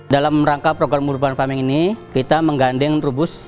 dalam rangka program urban farming ini kita mengganding rubus